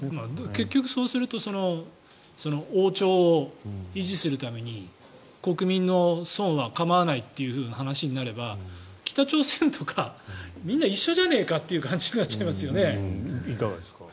結局そうすると王朝を維持するために国民の損は構わないという話になれば北朝鮮とかみんな一緒じゃないかという感じになっちゃいますよね。